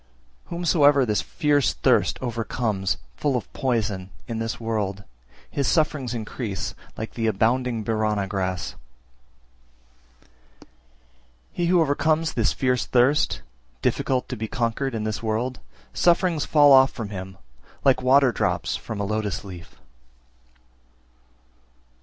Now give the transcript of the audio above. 335. Whomsoever this fierce thirst overcomes, full of poison, in this world, his sufferings increase like the abounding Birana grass. 336. He who overcomes this fierce thirst, difficult to be conquered in this world, sufferings fall off from him, like water drops from a lotus leaf.